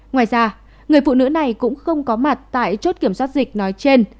ngoài ra người phụ nữ này cũng không có mặt tại chốt kiểm soát dịch nói trên